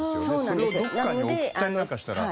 それをどこかに送ったりなんかしたら。